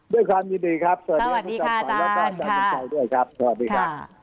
ด้วยความยินดีครับสวัสดีค่ะอาจารย์สวัสดีค่ะ